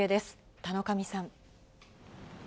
田上さん。